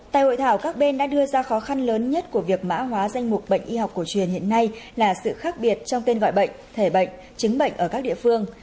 tại hội thảo các bên đã đưa ra khó khăn lớn nhất của việc mã hóa danh mục bệnh y học cổ truyền hiện nay là sự khác biệt trong tên gọi bệnh thể bệnh chứng bệnh ở các địa phương